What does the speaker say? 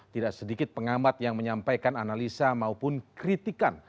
tidak sedikit pengamat yang menyampaikan analisa maupun kritikan